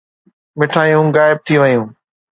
مٺايون غائب ٿي ويون.